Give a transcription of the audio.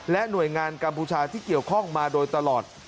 หน่วยงานกัมพูชาที่เกี่ยวข้องมาโดยตลอด